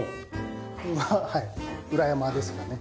裏山ですよね。